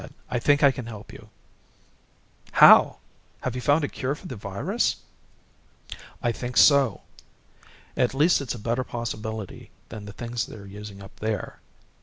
"I think I can help you." "How? Have you found a cure for the virus?" "I think so. At least it's a better possibility than the things they're using up there."